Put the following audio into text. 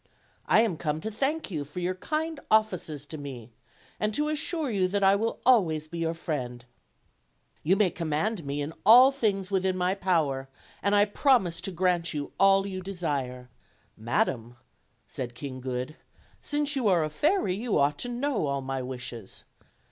I am come to thank you for your kind offices to me, and to assure you that I will always be your friend. You may command me in all things within my power. and I promise to grant you all you desire," OLD, OLD FAIRY TALES. 321 "Madam," said King Good, "since you are a fairy you ought to know all my wishes.